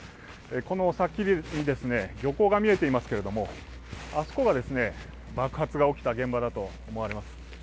この先に漁港が見えていますけれども、あそこが爆発が起きた現場だと思われます。